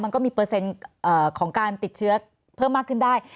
มันก็มีเปอร์เซ็นต์ของการติดเชื้อเพิ่มมากขึ้นได้